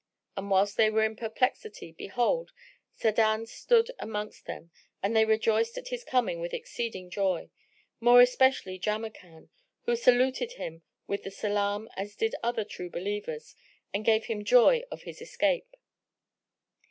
But whilst they were in perplexity, behold, Sa'adan stood amongst them and they rejoiced at his coming with exceeding joy; more especially Jamrkan, who saluted him with the salam as did other True Believers and gave him joy of his escape.